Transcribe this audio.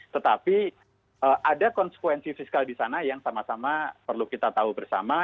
tetapi ada konsekuensi fiskal di sana yang sama sama perlu kita tahu bersama